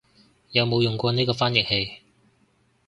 有冇用過呢個翻譯器